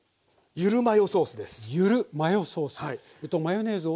ゆるマヨソース。